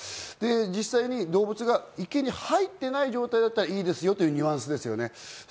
実際に動物が池に入っていなければいいですよというニュアンスですよね。